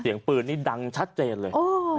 เสียงปืนนี่ดังชัดเจนเลย